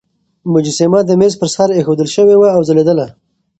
مجسمه د مېز پر سر ایښودل شوې وه او ځلېدله.